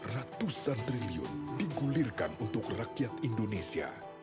ratusan triliun digulirkan untuk rakyat indonesia